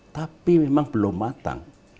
tapi memang belum matang